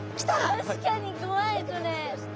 確かに怖いこれ。